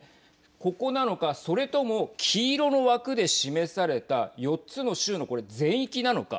ここなのか、それとも黄色の枠で示された４つの州のこれ、全域なのか。